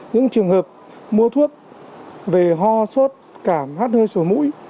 những trường hợp mua thuốc về ho sốt cảm hot hơi sổ mũi